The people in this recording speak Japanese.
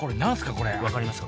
これ分かりますか？